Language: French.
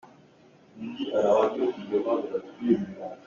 On dit à la radio qu’il y aura de la pluie et du vent.